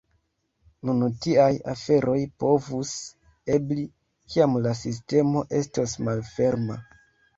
Nun tiaj aferoj povus ebli, kiam la sistemo estos malferma.